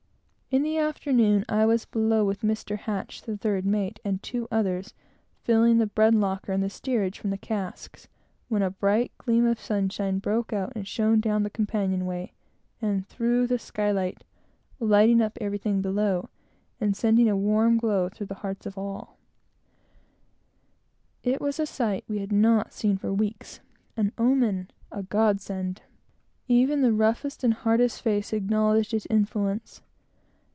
In the afternoon, I was below with Mr. H , the third mate, and two others, filling the bread locker in the steerage from the casks, when a bright gleam of sunshine broke out and shone down the companion way and through the skylight, lighting up everything below, and sending a warm glow through the heart of every one. It was a sight we had not seen for weeks, an omen, a god send. Even the roughest and hardest face acknowledged its influence.